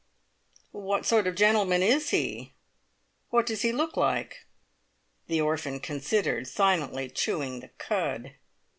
"What sort of a gentleman is he? What does he look like?" The orphan considered, silently chewing the cud.